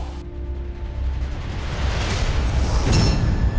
tidak ada yang bisa dapetin mama kamu